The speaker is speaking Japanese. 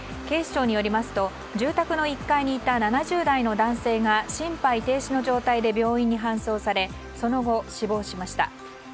警視庁によりますと住宅の１階にいた７０代の男性が心肺停止の状態で病院に搬送されその後、死亡しました。